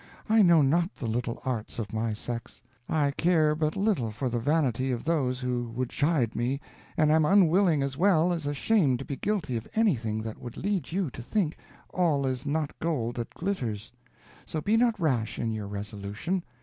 I know not the little arts of my sex. I care but little for the vanity of those who would chide me, and am unwilling as well as ashamed to be guilty of anything that would lead you to think 'all is not gold that glitters'; so be not rash in your resolution.